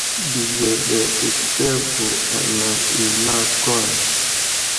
Bəzeɗe tətsago anaŋ i lakwan.